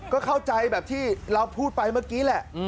ก็เข้าใจแบบที่เราพูดไปเมื่อกี้แหละ